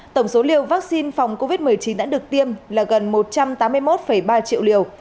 tổng số liều vaccine phòng covid một mươi chín đã được tiêm là gần một trăm tám mươi một ba triệu liều